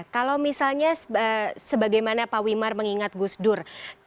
kalau misalnya sebagaimana pak wimar mengingat gus dur